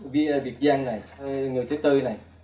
vì việt nam này